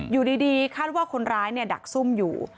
อยู่ดีคาดว่าคนร้ายดักซุ่มอยู่